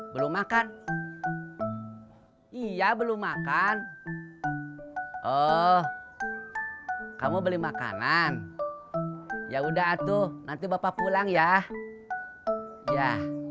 belum makan iya belum makan oh kamu beli makanan ya udah tuh nanti bapak pulang ya ya